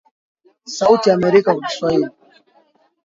sauti ya Amerika kwa Kiswahili